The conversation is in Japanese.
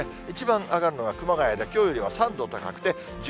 一番上がるのは熊谷で、きょうよりは３度高くて１２度。